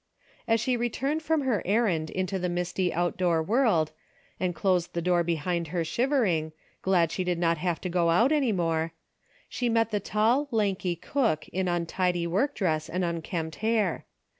As she returned from her errand into the misty outdoor world, and closed the door be hind her shivering, glad she did not have to go out any more, she met the tall, lanky cook A DAILY BATEI' 27 in untidy work dress and unkempt hair.